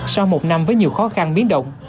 sau một năm với nhiều khó khăn biến động